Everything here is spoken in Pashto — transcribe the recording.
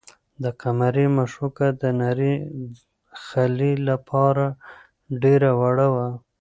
د قمرۍ مښوکه د نري خلي لپاره ډېره وړه وه.